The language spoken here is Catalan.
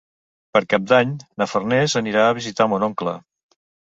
Per Cap d'Any na Farners anirà a visitar mon oncle.